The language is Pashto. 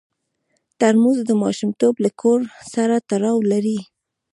ترموز د ماشومتوب له کور سره تړاو لري.